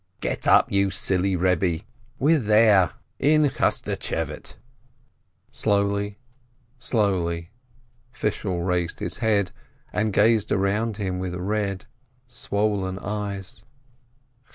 "Get up, you silly Rebbe! We're there — in Chasch tschevate !" Slowly, slowly, Fishel raised his head, and gazed around him with red and swollen eyes.